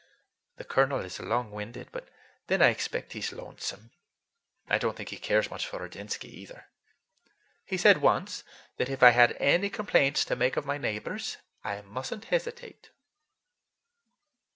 The Colonel is long winded, but then I expect he's lonesome. I don't think he cares much for Ordinsky, either. He said once that if I had any complaints to make of my neighbors, I must n't hesitate."